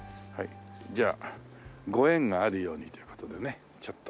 ご縁があるようにという事でねちょっと。